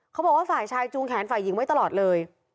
เขาบอกว่าฝ่ายชายจูงแขนฝ่ายหญิงไว้ตลอดเลย